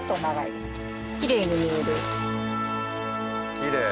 きれい。